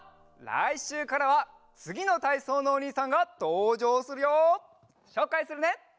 らいしゅうからはつぎのたいそうのおにいさんがとうじょうするよ！しょうかいするね！